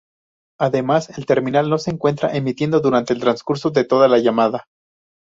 Además, el terminal no se encuentra emitiendo durante el transcurso de toda la llamada.